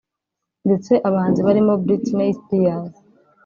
ndetse abahanzi barimo Britney Spears